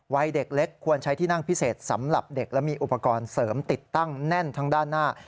วัยเด็กเล็กควรใช้ที่นั่งพิเศษสำหรับเด็กและมีอุปกรณ์เสริมติดตั้งแน่นทั้งด้านหน้า